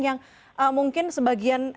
yang mungkin sebagian